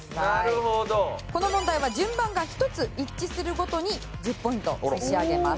この問題は順番が１つ一致するごとに１０ポイント差し上げます。